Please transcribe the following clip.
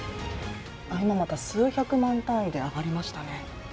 今、また数百万単位で上がりましたね。